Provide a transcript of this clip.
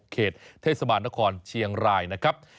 เขตเทศบาลนครเชียงรายนะครับ